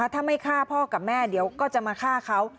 ถ้าไม่ฆ่าพ่อกับแม่เดี๋ยวก็จะมาฆ่าเขา